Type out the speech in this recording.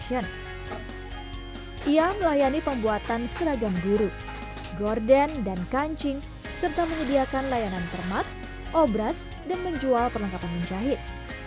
ia melayani pembuatan seragam guru gorden dan kancing serta menyediakan layanan termat obras dan menjual perlengkapan menjahit